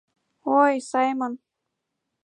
— Ой, Сайман!..